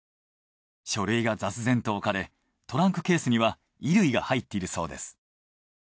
書類が雑然と置かれトランクケースには衣類が入っているそうです。